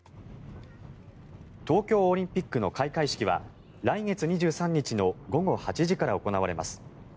東京オリンピックの開会式は来月２３日の午後８時から行われます。